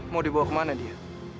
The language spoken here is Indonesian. mau dibawa kemana dia